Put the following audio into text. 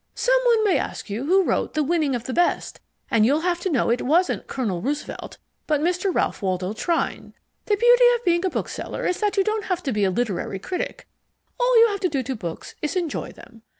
Someone may ask you who wrote The Winning of the Best, and you'll have to know it wasn't Colonel Roosevelt but Mr. Ralph Waldo Trine. The beauty of being a bookseller is that you don't have to be a literary critic: all you have to do to books is enjoy them.